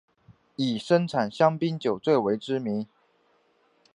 以生产香槟酒最为知名。